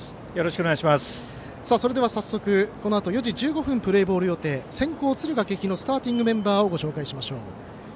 それでは、早速このあと４時１５分プレーボール予定先攻、敦賀気比のスターティングメンバーをご紹介しましょう。